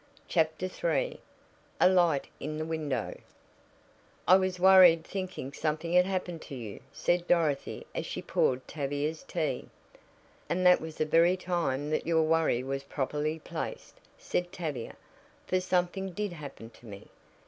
CHAPTER III A LIGHT IN THE WINDOW "I was worried thinking something had happened to you," said Dorothy as she poured Tavia's tea. "And that was the very time that your worry was properly placed," said Tavia, "for something did happen to me.